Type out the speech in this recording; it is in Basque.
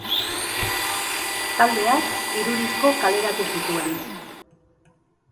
Taldeak hiru disko kaleratu zituen.